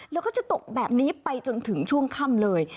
แล้วก็จะตกแบบนี้ไปจนถึงช่วงค่ำเลย